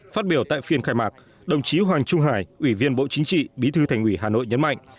phát biểu tại phiên khai mạc đồng chí hoàng trung hải ủy viên bộ chính trị bí thư thành ủy hà nội nhấn mạnh